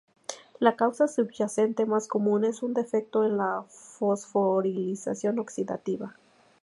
La causa subyacente más común es un defecto en la fosforilación oxidativa.